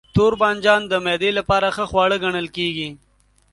توربانجان د معدې لپاره ښه خواړه ګڼل کېږي.